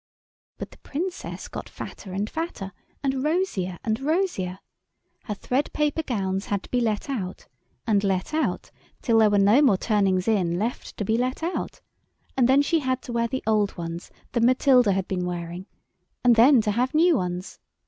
But the Princess got fatter and fatter, and rosier and rosier. Her thread paper gowns had to be let out, and let out, till there were no more turnings in left to be let out, and then she had to wear the old ones that Matilda had been wearing, and then to have new ones.